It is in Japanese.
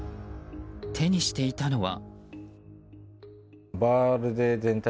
手にしていたのは。